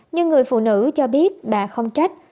nhưng người phụ nữ cho biết bà không trách